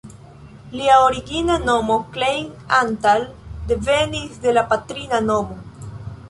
Lia origina nomo "Klein Antal" devenis de la patrina nomo.